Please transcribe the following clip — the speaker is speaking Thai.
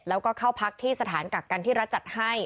แล้วก็เข้าพักที่สถานกักกันที่รัฐจัดให้